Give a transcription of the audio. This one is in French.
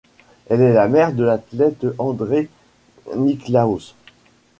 Elle est la mère de l'athlète André Niklaus.